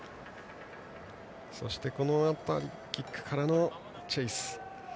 そして、キックからのチェイス。